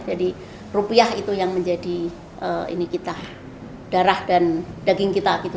jadi rupiah itu yang menjadi ini kita darah dan daging kita gitu